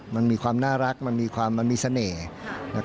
มันมีความน่ารักมันมีความมันมีเสน่ห์